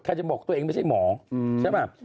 ใครจะบอกตัวเองไม่ใช่หมอใช่ไหม